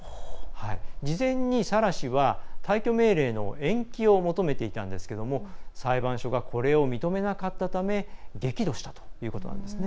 事前にサラ氏は退去命令の延期を求めていたんですけれども裁判所がこれを認めなかったため激怒したということなんですね。